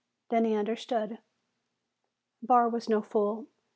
Then he understood. Barr was no fool.